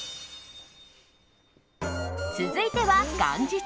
続いては元日。